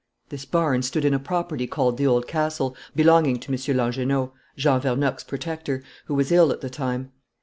"This barn stood in a property called the Old Castle, belonging to M. Langernault, Jean Vernocq's protector, who was ill at the time.